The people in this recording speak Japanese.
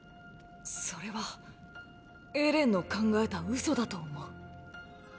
それはエレンの考えた嘘だと思う。